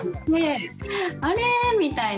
あれ？みたいな。